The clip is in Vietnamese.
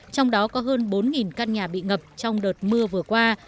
trong đó có hơn bốn căn nhà bị ngập trong đợt mưa vừa qua